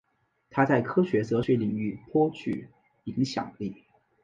他在科学哲学领域颇具影响力。